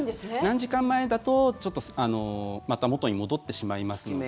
何時間前だとまた元に戻ってしまいますので。